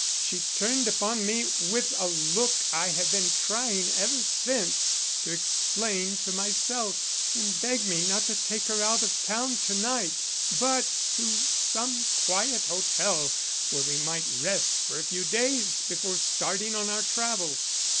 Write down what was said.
She turned upon me with a look I have been trying ever since to explain to myself, and begged me not to take her out of town to night but to some quiet hotel where we might rest for a few days before starting on our travels.